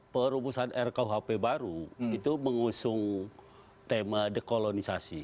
perumusan rkuhp baru itu mengusung tema dekolonisasi